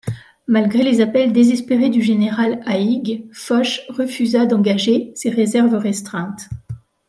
Malgré les appels désespérés du général Haig, Foch refusa d'engager ses réserves restreintes.